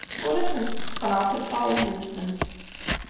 Ur asent-tteqqneɣ tiṭṭawin-nsent.